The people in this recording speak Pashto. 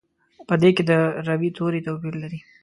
په دې کې د روي توري توپیر لري.